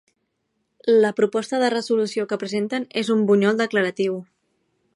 La proposta de resolució que presenten és un bunyol declaratiu.